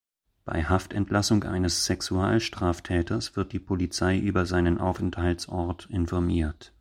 Bei Haftentlassung eines Sexualstraftäters wird die Polizei über seinen Aufenthaltsort informiert.